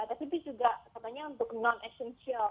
tapi itu juga katanya untuk non essential